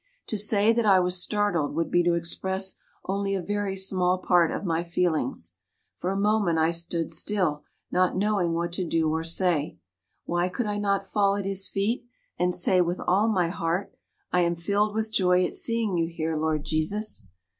"To say that I was startled would be to express only a very small part of my feelings. For a moment I stood still, not knowing what to do or say. Why could I not fall at his feet and say with all my heart, 'I am filled with joy at seeing you here, Lord Jesus'?